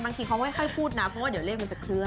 บางทีมันไม่ไหวค่อยพูดนะเพราะว่าเดี๋ยวเลขมันจะเคลื่อด